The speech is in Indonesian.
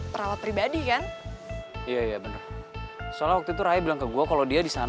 papa liat deh itu lucu gak lucu kan